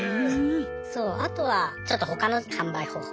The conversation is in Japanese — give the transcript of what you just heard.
そうあとはちょっと他の販売方法